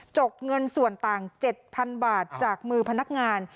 กเงินส่วนต่าง๗๐๐บาทจากมือพนักงาน